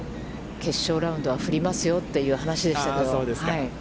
決勝ラウンドは振りますよという話でしたけど。